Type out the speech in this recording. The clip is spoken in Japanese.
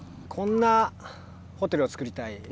こんなホテルをつくりたい